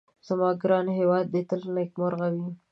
زما ګران هيواد دي تل نيکمرغه وي